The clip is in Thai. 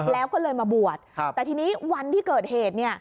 แล้วก็เลยมาบวชแต่ทีนี้วันที่เกิดเหตุเนี่ย